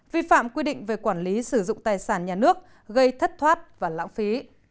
vi phạm quy định về quản lý sử dụng tài sản nhà nước gây thất thoát và lãng phí